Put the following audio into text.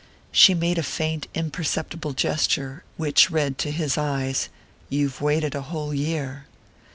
She made a faint, imperceptible gesture, which read to his eyes: "You've waited a whole year."